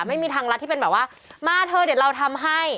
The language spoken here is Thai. ไม่มีทางรัฐที่เป็นแบบว่ามาเถอะเดี๋ยวเราทำให้